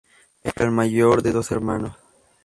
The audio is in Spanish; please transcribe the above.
Era el mayor de dos hermanos.